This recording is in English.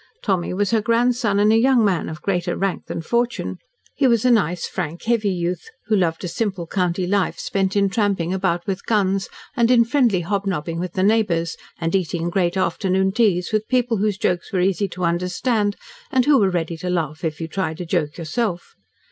Tommy was her grandson and a young man of greater rank than fortune. He was a nice, frank, heavy youth, who loved a simple county life spent in tramping about with guns, and in friendly hobnobbing with the neighbours, and eating great afternoon teas with people whose jokes were easy to understand, and who were ready to laugh if you tried a joke yourself.